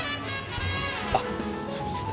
あっすいません。